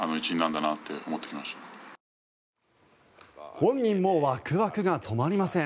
本人もワクワクが止まりません。